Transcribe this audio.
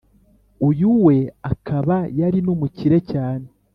uyu we akaba yari numukire cyane,